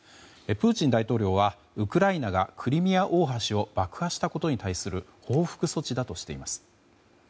プーチン大統領はウクライナがクリミア大橋を爆破したことに対する報復措置だとしています。